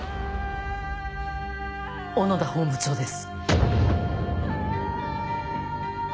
小野田本部長です。